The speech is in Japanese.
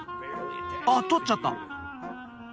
あっ取っちゃった！